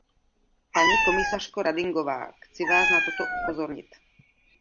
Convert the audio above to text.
Paní komisařko Radingová, chci Vás na toto upozornit.